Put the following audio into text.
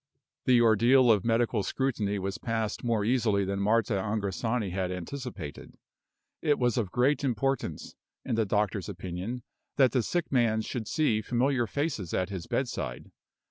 The ordeal of medical scrutiny was passed more easily than Marta Angrisani had anticipated. It was of great importance, in the doctor's opinion, that the sick man should see familiar faces at his bedside.